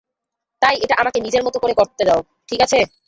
তাই এটা আমাকে নিজের মত করে করতে দাও, ঠিক আছে?